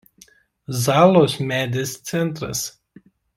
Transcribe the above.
Zalos medės centras.